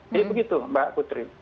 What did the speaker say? jadi begitu mbak kutrim